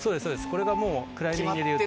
これがクライミングでいうと。